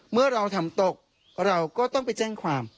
เมื่อเราทำตกเราก็ต้องไปแจ้งความ